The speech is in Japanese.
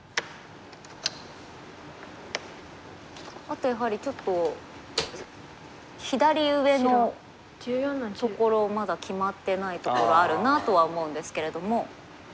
あとやはりちょっと左上のところまだ決まってないところあるなとは思うんですけれども。